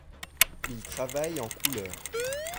Il travaille en couleurs.